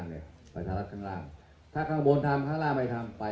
เมืองอัศวินธรรมดาคือสถานที่สุดท้ายของเมืองอัศวินธรรมดา